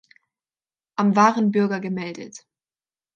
Am waren Bürger gemeldet.